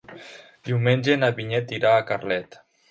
Diumenge na Vinyet irà a Carlet.